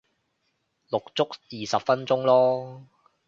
錄足二十分鐘咯